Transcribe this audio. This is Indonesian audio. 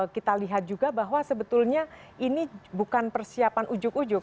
kita lihat juga bahwa sebetulnya ini bukan persiapan ujuk ujuk